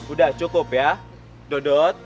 udah cukup ya daudot